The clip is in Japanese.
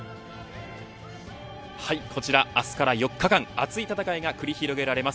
こちら明日から４日間熱い戦いが繰り広げられます